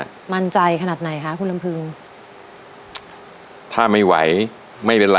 มีความรู้สึกว่ามีความรู้สึกว่ามีความรู้สึกว่า